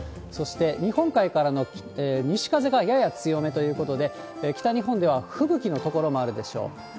そして日本海からの西風がやや強めということで、北日本では吹雪の所もあるでしょう。